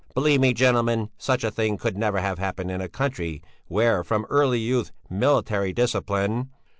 Believe me, gentlemen, such a thing could never have happened in a country where from early youth military discipline...."